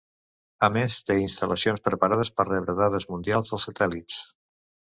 A més té instal·lacions preparades per rebre dades mundials de satèl·lits.